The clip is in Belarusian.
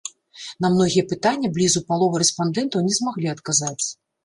На многія пытанні блізу паловы рэспандэнтаў не змаглі адказаць.